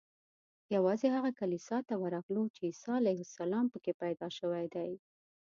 یوازې هغه کلیسا ته ورغلو چې عیسی علیه السلام په کې پیدا شوی دی.